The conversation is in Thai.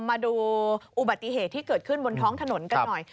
มาดูอุบัติเหตุที่เกิดขึ้นบนท้องถนนกันหน่อย